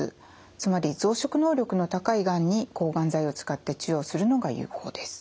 つまり増殖能力の高いがんに抗がん剤を使って治療するのが有効です。